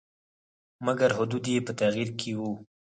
مګر حدود یې په تغییر کې وو.